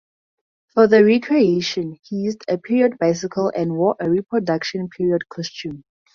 For the recreation he used a period bicycle and wore a reproduction period costume.